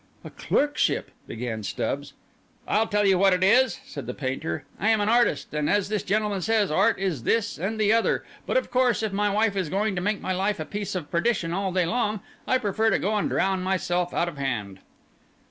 "A clerkship—" began Stubbs. "I'll tell you what it is," said the painter. "I am an artist, and as this gentleman says, Art is this and the other; but of course, if my wife is going to make my life a piece of perdition all day long, I prefer to go and drown myself out of hand."